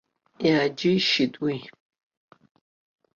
Иааџьеишьеит уи.